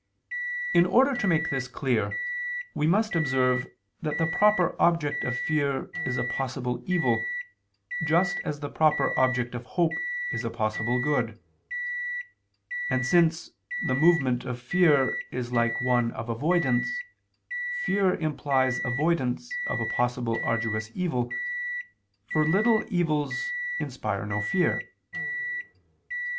In order to make this clear, we must observe that the proper object of fear is a possible evil, just as the proper object of hope is a possible good: and since the movement of fear is like one of avoidance, fear implies avoidance of a possible arduous evil, for little evils inspire no fear.